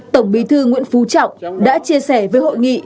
tổng bí thư nguyễn phú trọng đã chia sẻ với hội nghị